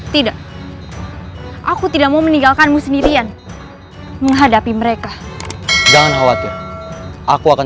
tidak aku tidak mau meninggalkanmu sendirian menghadapi mereka jangan khawatir aku akan